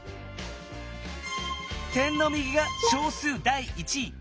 点の右が小数第一位。